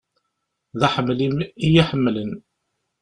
D aḥemmel-im i y-iḥemmlen.